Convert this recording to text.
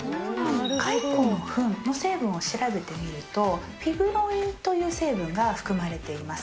蚕のふんの成分を調べてみると、フィブロインという成分が含まれています。